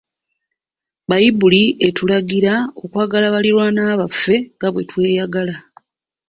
Bbayibuli etulagira okwagala baliraanwa baffe nga bwe tweyagala.